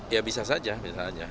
ya bisa saja bisa saja